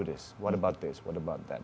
bagaimana dengan ini bagaimana dengan itu